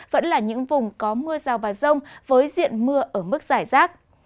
vẫn là những vùng có mưa rào và rông với diện mưa ở mức giải rác